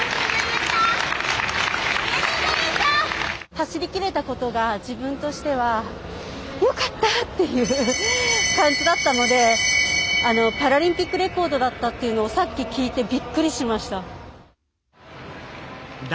走り切れたことが自分としてはよかったという感じだったのでパラリンピックレコードだったというのをさっき聞いてびっくりしました。